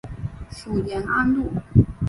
属延安路。